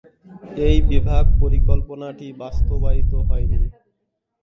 এই বিভাগ পরিকল্পনাটি বাস্তবায়িত হয়নি।